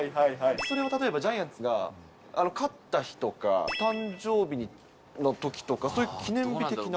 それは例えばジャイアンツが勝った日とか、誕生日のときとか、どうなんだろ？